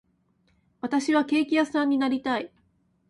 私はケーキ屋さんになりたい